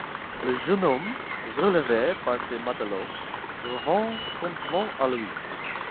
Le jeune homme, relevé par ses matelots, revint promptement à lui.